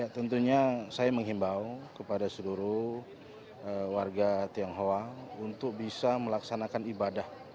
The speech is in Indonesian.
tentunya saya menghimbau kepada seluruh warga tionghoa untuk bisa melaksanakan ibadah